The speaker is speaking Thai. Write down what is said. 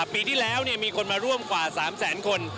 ปีที่แล้วมีคนมาร่วมกว่า๓แสนคน